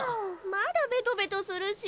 まだベトベトするし。